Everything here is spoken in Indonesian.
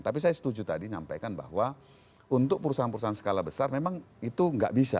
tapi saya setuju tadi nyampaikan bahwa untuk perusahaan perusahaan skala besar memang itu nggak bisa